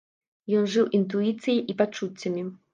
Ён жыў інтуіцыяй і пачуццямі.